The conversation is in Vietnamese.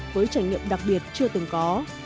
với trải nghiệm đặc biệt chưa từng có